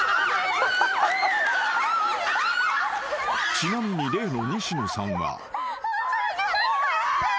［ちなみに例の西野さんは］